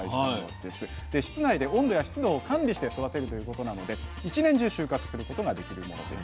で室内で温度や湿度を管理して育てるということなので一年中収穫することができるものです。